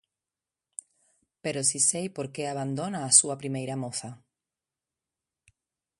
Pero si sei por que abandona a súa primeira moza.